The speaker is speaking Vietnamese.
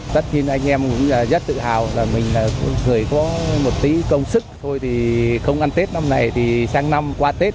tất nhiên anh em cũng rất tự hào là mình là người có một tí công sức thôi thì không ăn tết năm nay thì sáng năm qua tết